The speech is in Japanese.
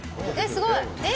すごい。え？